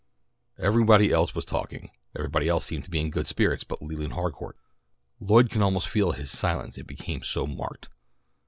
Everybody else was talking. Everybody else seemed in good spirits but Leland Harcourt. Lloyd could almost feel his silence it became so marked.